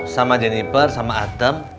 sama jeniper sama atem